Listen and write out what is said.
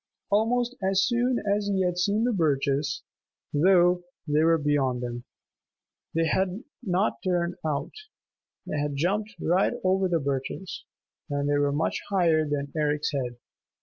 Almost as soon as he had seen the birches, though, they were beyond them. They had not turned out, they had jumped right over the birches, and they were much higher than Eric's head!